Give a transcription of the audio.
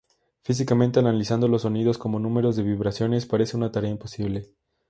Físicamente, analizando los sonidos como números de vibraciones, parece una tarea imposible.